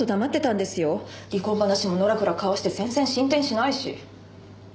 離婚話ものらくらかわして全然進展しないし。